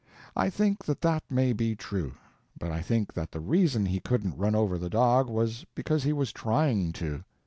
I think that that may be true: but I think that the reason he couldn't run over the dog was because he was trying to.